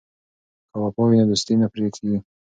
که وفا وي نو دوستي نه پرې کیږي.